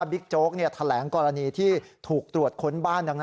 บิ๊กโจ๊กแถลงกรณีที่ถูกตรวจค้นบ้าน